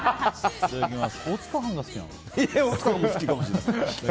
いただきます。